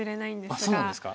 あっそうなんですか？